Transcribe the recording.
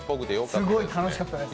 すごい楽しかったです。